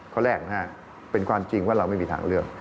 ข้อแรกเป็นความจริงว่าเราไม่มีทางเลือก